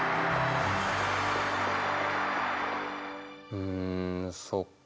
うんそっかあ。